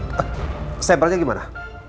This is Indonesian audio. ehh sampelnya gimana